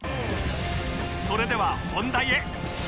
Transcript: それでは本題へ